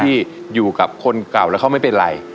ที่อยู่กับคนเก่าแล้วเขาไม่เป็นไร